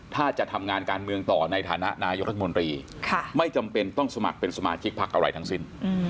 ถ้าจะทำงานการเมืองต่อในฐานะนายกรัฐมนตรีไม่จำเป็นต้องสมัครเป็นสมาชิกพักอะไรทั้งสิ้น